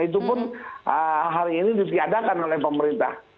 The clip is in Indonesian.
itu pun hari ini ditiadakan oleh pemerintah